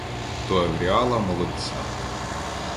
То Евріала-молодця.